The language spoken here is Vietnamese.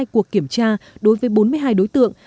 ba mươi hai cuộc kiểm tra đối với bốn mươi hai đối tượng